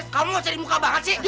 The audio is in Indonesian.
kamu mau cari muka banget sih